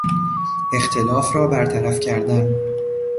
اختلاف را برطرف کردن